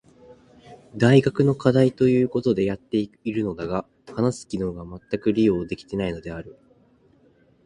大学の課題と言うことでやっているのだが話す機能がまったく利用できていないのである。